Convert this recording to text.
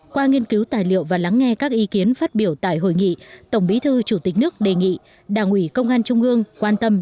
qua nghiên cứu tài liệu và lắng nghe các ý kiến phát biểu tại hội nghị tổng bí thư chủ tịch nước đề nghị đảng ủy công an trung ương quan tâm